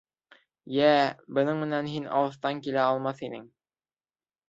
— Йә, бының менән һин алыҫтан килә алмаҫ инең...